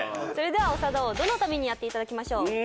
それでは長田王どの民にやっていただきましょう？